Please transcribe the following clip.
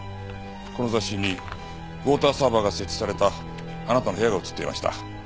この雑誌にウォーターサーバーが設置されたあなたの部屋が写っていました。